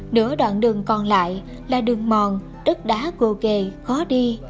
nửa đoạn đường còn lại là đường mòn đất đá gồ ghề khó đi